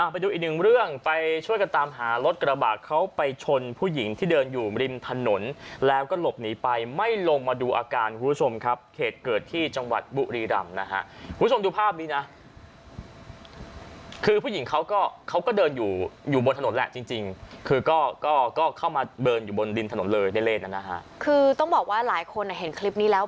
ไปดูอีกหนึ่งเรื่องไปช่วยกันตามหารถกระบาดเขาไปชนผู้หญิงที่เดินอยู่ริมถนนแล้วก็หลบหนีไปไม่ลงมาดูอาการคุณผู้ชมครับเหตุเกิดที่จังหวัดบุรีรำนะฮะคุณผู้ชมดูภาพนี้นะคือผู้หญิงเขาก็เขาก็เดินอยู่อยู่บนถนนแหละจริงจริงคือก็ก็เข้ามาเดินอยู่บนริมถนนเลยได้เล่นนะฮะคือต้องบอกว่าหลายคนอ่ะเห็นคลิปนี้แล้ว